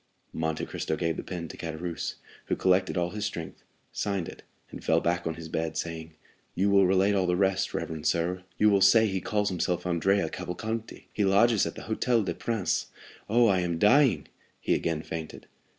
Monte Cristo gave the pen to Caderousse, who collected all his strength, signed it, and fell back on his bed, saying: "You will relate all the rest, reverend sir; you will say he calls himself Andrea Cavalcanti. He lodges at the Hôtel des Princes. Oh, I am dying!" He again fainted.